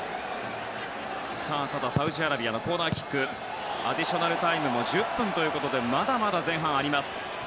ただサウジアラビアのコーナーキックアディショナルタイムも１０分ということでまだまだ前半はあります。